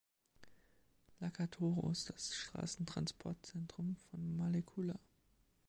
Lakatoro ist das Straßentransportzentrum von Malekula.